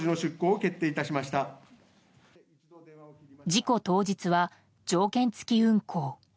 事故当日は、条件付き運航。